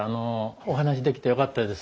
お話しできてよかったです。